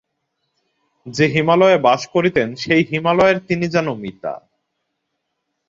যে হিমালয়ে বাস করিতেন সেই হিমালয়ের তিনি যেন মিতা।